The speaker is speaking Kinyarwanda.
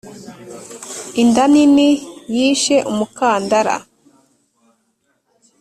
• inda nini yishe umukandara